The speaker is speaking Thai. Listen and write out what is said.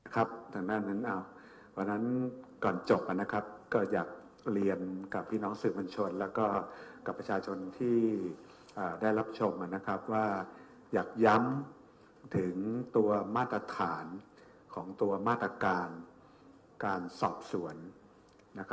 ทางด้านนั้นวันนั้นก่อนจบก็อยากเรียนกับพี่น้องสื่อบัญชนแล้วก็กับประชาชนที่ได้รับชมว่าอยากย้ำถึงตัวมาตรฐานของตัวมาตรการการสอบสวน